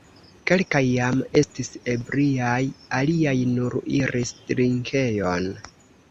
Kelkaj jam estis ebriaj, aliaj nur iris drinkejon.